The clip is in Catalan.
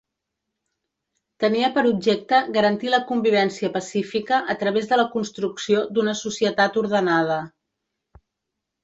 Tenia per objecte garantir la convivència pacífica a través de la construcció d'una societat ordenada.